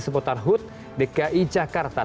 seputar hud dki jakarta